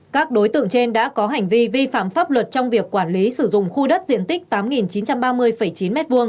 các đối tượng trên đã có hành vi vi phạm pháp luật trong việc quản lý sử dụng khu đất diện tích tám chín trăm ba mươi chín m hai